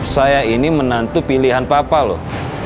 saya ini menantu pilihan papa loh